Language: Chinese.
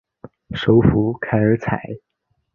首府凯尔采。